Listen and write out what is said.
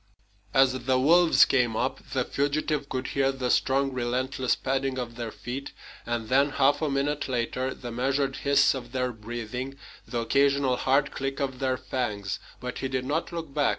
As the wolves came up, the fugitive could hear the strong, relentless padding of their feet, and then, half a minute later, the measured hiss of their breathing, the occasional hard click of their fangs. But he did not look back.